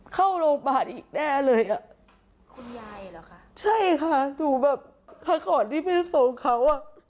เข้าโรงพยาบาลอีกแน่เลยอ่ะคุณยายเหรอคะใช่ค่ะสู่แบบครั้งก่อนที่ไปส่งเขาอ่ะ